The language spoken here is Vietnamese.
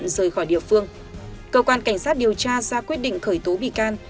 rời khỏi địa phương cơ quan cảnh sát điều tra ra quyết định khởi tố bị can